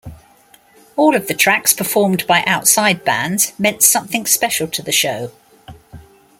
All of the tracks performed by outside bands meant something special to the show.